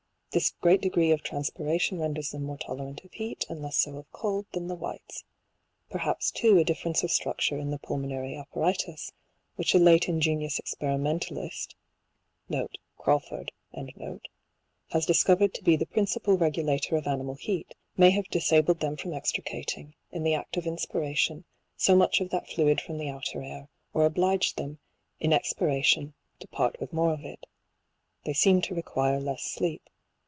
This great degree of transpiration ren ders them more tolerant of heat, and less so of cold, than the whites. Perhaps too a difference of structure in the pulmonary apparatus, which a late ingenious experimentalist* has discovered to be the principal regulator of animal heat, may have disabled them from extricating, in the act of inspiration, so much of that fluid from the outer air, or obliged them, in expiration, to part with more of it. They seem to require less sleep.